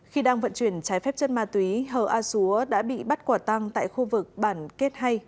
khi đang vận chuyển trái phép chất ma túy hờ a xúa đã bị bắt quả tăng tại khu vực bản kết hay